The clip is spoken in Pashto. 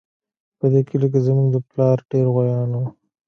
په دې کلي کې زموږ د پلار ډېر غويان وو